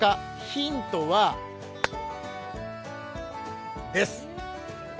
ヒントはです。